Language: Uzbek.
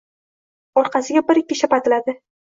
Orqasiga bir-ikki shapatiladi.